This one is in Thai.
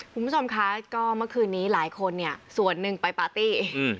คุณผู้ชมคะก็เมื่อคืนนี้หลายคนเนี่ยส่วนหนึ่งไปปาร์ตี้อืม